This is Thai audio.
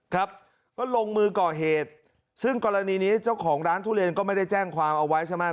ครับก็ลงมือก่อเหตุซึ่งกรณีนี้เจ้าของร้านทุเรียนก็ไม่ได้แจ้งความเอาไว้ใช่ไหม